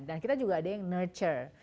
dan kita juga ada yang nurture